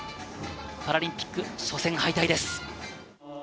パラリンピック初戦敗退です。